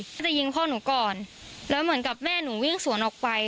ก็จะยิงพ่อหนูก่อนแล้วเหมือนกับแม่หนูวิ่งสวนออกไป